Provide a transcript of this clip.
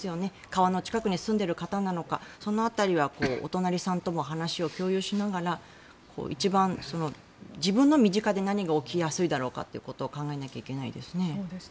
川の近くに住んでいる方なのかその辺りは、お隣さんとも話を共有しながら一番自分の身近で何が起きやすいだろうかということを考えなきゃいけないですね。